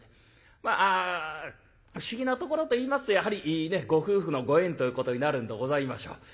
まあ不思議なところといいますとやはりねご夫婦のご縁ということになるんでございましょう。